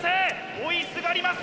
追いすがります！